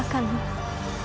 aku pasti akan mendoakanmu